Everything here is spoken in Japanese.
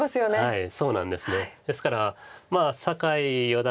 はい。